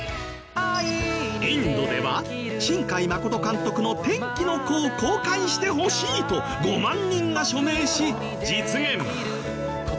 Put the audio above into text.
インドでは新海誠監督の『天気の子』を公開してほしいと５万人が署名し実現。